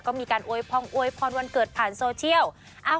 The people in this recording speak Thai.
ก็มีการอวยพรงอวยพรวันเกิดผ่านโซเชียล